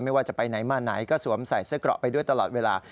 ว่าจะไปไหนมาไหนก็สวมใส่เสื้อเกราะไปด้วยตลอดเวลา